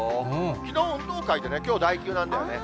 きのう、運動会できょう代休なんだよね。